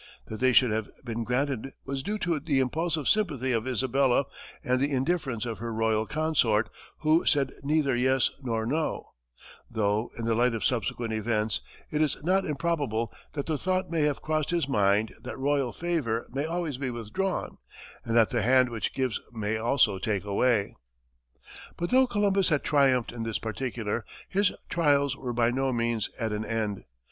That they should have been granted was due to the impulsive sympathy of Isabella and the indifference of her royal consort, who said neither yes nor no; though, in the light of subsequent events, it is not improbable that the thought may have crossed his mind that royal favor may always be withdrawn, and that the hand which gives may also take away. But though Columbus had triumphed in this particular, his trials were by no means at an end.